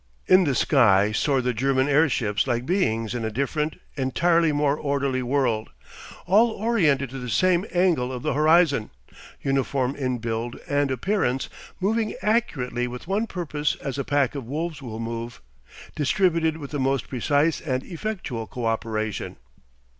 In the sky soared the German airships like beings in a different, entirely more orderly world, all oriented to the same angle of the horizon, uniform in build and appearance, moving accurately with one purpose as a pack of wolves will move, distributed with the most precise and effectual co operation.